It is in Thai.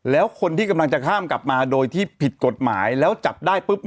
แล้วคนที่กำลังจะข้ามกลับมาโดยที่ผิดกฎหมายแล้วจับได้ปุ๊บ